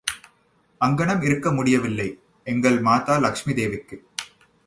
அங்கனம் இருக்க முடியவில்லை எங்கள் மாதா லக்ஷ்மி தேவிக்கு.